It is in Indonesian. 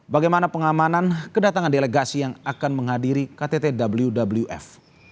bagaimana pengamanan kedatangan delegasi yang akan menghadiri kttwf